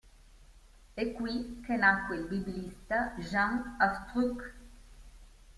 È qui che nacque il biblista Jean Astruc.